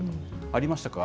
ありましたか？